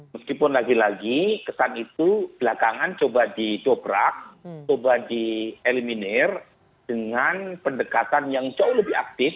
meskipun lagi lagi kesan itu belakangan coba didobrak coba dieliminir dengan pendekatan yang jauh lebih aktif